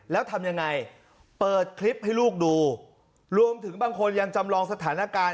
แล้วทำยังไงเปิดคลิปให้ลูกดูรวมถึงบางคนยังจำลองสถานการณ์